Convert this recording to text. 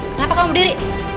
kenapa kamu berdiri